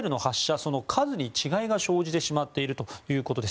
その数に違いが生じてしまっているということです。